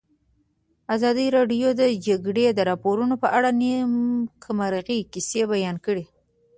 ازادي راډیو د د جګړې راپورونه په اړه د نېکمرغۍ کیسې بیان کړې.